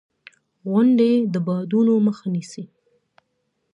• غونډۍ د بادونو مخه نیسي.